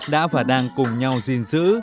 đã và đang cùng nhau gìn giữ